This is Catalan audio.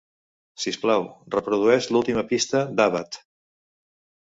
Sisplau, reprodueix l'última pista d'Abbath.